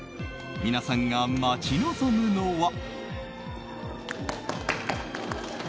皆さんが待ち望むのは。